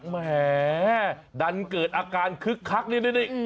แหมดันเกิดอาการคึกคักนี่